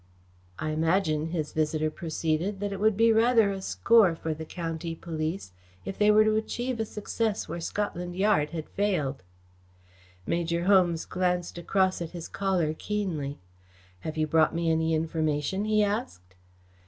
"I imagine," his visitor proceeded, "that it would be rather a score for the county police if they were to achieve a success where Scotland Yard has failed." Major Holmes glanced across at his caller keenly. "Have you brought me any information?" he asked.